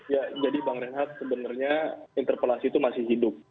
ya jadi bang rehat sebenarnya interpelasi itu masih hidup